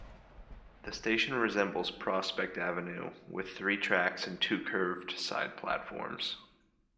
The station resembles Prospect Avenue, with three tracks and two curved side platforms.